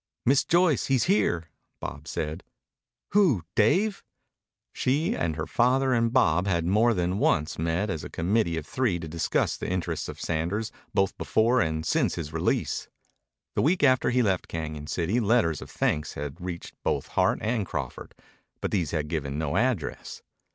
"Miss Joyce, he's here," Bob said. "Who Dave?" She and her father and Bob had more than once met as a committee of three to discuss the interests of Sanders both before and since his release. The week after he left Cañon City letters of thanks had reached both Hart and Crawford, but these had given no address.